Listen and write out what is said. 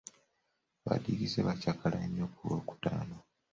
Abaddigize bakyakala nnyo ku lwokutaano.